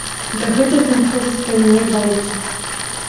Дагэтуль там ходзяць пра мяне байкі.